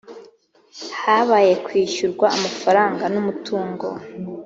habaye kwishyurwa amafaranga n `umutungo.